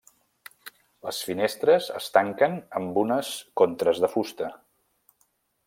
Les finestres es tanquen amb unes contres de fusta.